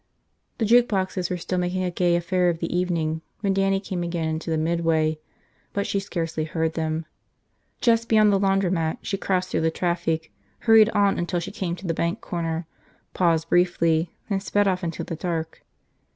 The jukeboxes were still making a gay affair of the evening when Dannie came again into the midway but she scarcely heard them. Just beyond the laundromat she crossed through the traffic, hurried on until she came to the bank corner, paused briefly, then sped off into the dark.